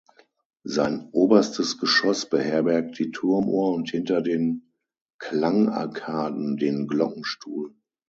Sein oberstes Geschoss beherbergt die Turmuhr und hinter den Klangarkaden den Glockenstuhl.